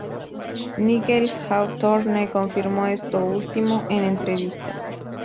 Nigel Hawthorne confirmó esto último en entrevistas.